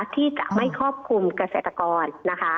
ที่จะไม่ครอบคลุมเกษตรกรนะคะ